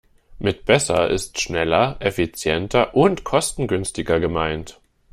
Mit besser ist schneller, effizienter und kostengünstiger gemeint.